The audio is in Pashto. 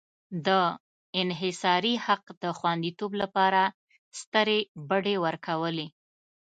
د انحصاري حق د خوندیتوب لپاره سترې بډې ورکولې.